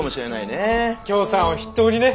きょーさんを筆頭にね。